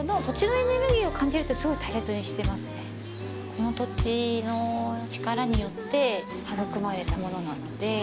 この土地の力によって育まれたものなので。